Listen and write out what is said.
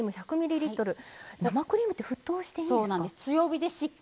生クリームって沸騰していいんですか。